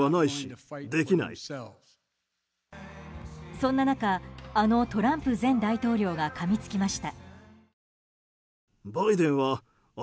そんな中あのトランプ前大統領がかみつきました。